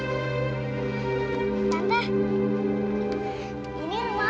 ini rumah aku tante